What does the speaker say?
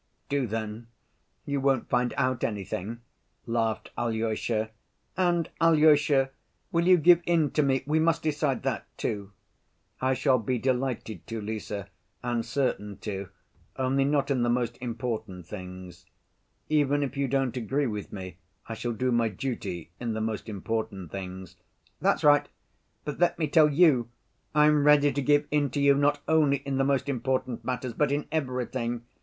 "Do, then; you won't find out anything," laughed Alyosha. "And, Alyosha, will you give in to me? We must decide that too." "I shall be delighted to, Lise, and certain to, only not in the most important things. Even if you don't agree with me, I shall do my duty in the most important things." "That's right; but let me tell you I am ready to give in to you not only in the most important matters, but in everything.